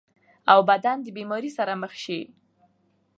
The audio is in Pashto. او بدن د بيمارۍ سره مخ شي -